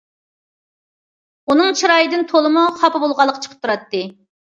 ئۇنىڭ چىرايىدىن تولىمۇ خاپا بولغانلىقى چىقىپ تۇراتتى.